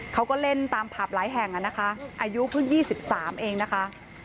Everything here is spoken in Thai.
เขาก็เล่นตามผับหลายแห่งอ่ะนะคะอายุเพิ่งยี่สิบสามเองนะคะ